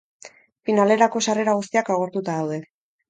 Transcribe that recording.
Finalerako sarrera guztiak agortuta daude.